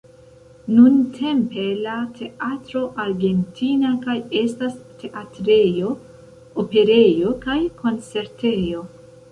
Nuntempe la Teatro Argentina kaj estas teatrejo, operejo kaj koncertejo.